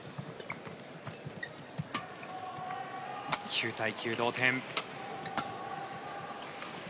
９対９、同点。